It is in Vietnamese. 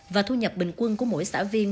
và thu nhập bình quân của mỗi xã viên